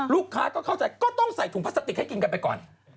ลูกค้าก็เข้าใจก็ต้องใส่ถุงพลาสติกให้กินกันไปก่อน